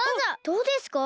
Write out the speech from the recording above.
どうですか？